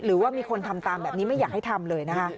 หรือว่ามีคนทำตามแบบนี้ไม่อยากให้ทำเลยนะคะ